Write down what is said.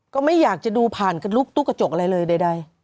ก็ไม่อยากจะดูผ่านกระลุกตุ๊กกระจกอะไรเลยใด